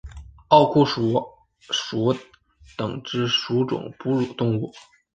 奥库鼠属等之数种哺乳动物。